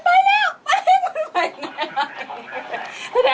คอตู้ใหม่มาทับดับ